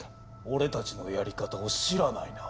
俺たちのやり方を知らないな。